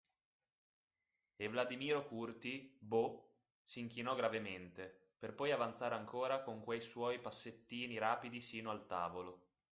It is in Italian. E Vladimiro Curti Bo' s'inchinò gravemente, per poi avanzare ancora con quei suoi passettini rapidi sino al tavolo.